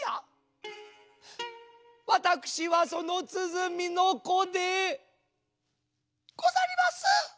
わたくしはそのつづみのこでござります。